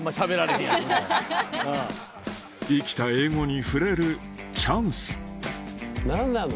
生きた英語に触れるチャンス何なの？